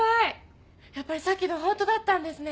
やっぱりさっきのホントだったんですね。